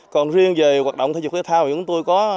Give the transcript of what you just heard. còn riêng về hoạt động thể dục thể thao